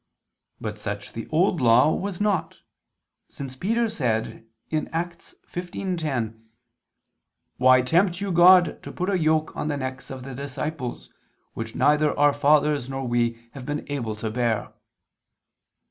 But such the Old Law was not: since Peter said (Acts 15:10): "Why tempt you (God) to put a yoke on the necks of the disciples, which neither our fathers nor we have been able to bear?"